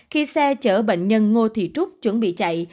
khi xe chở bệnh nhân ngô thị trúc chuẩn bị chạy